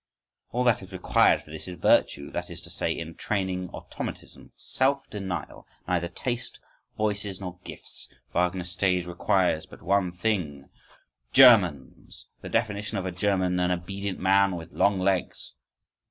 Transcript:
All that is required for this is virtue—that is to say, training, automatism, "self denial". Neither taste, voices, nor gifts, Wagner's stage requires but one thing: Germans!… The definition of a German: an obedient man with long legs.